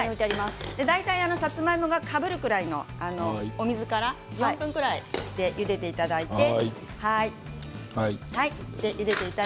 大体さつまいもがかぶるくらいの水からゆでていただいて。